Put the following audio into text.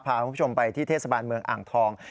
พาคุณผู้ชมไปที่เทศบาลเมืองอ่างทอง